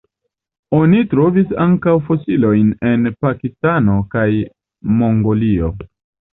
Oni trovis ankaŭ fosiliojn en Pakistano kaj Mongolio.